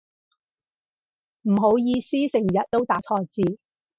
唔好意思成日都打錯字